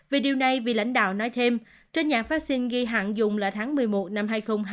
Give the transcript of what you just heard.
về điều này vị lãnh đạo nói thêm trên nhãn vaccine ghi hạn dùng là tháng một mươi một năm hai nghìn hai mươi một